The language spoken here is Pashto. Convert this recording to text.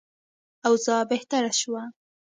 اوضاع بهتره شوه.